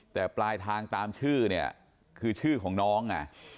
แต่ปลายทางตามชื่อเนี่ยคือชื่อของน้อง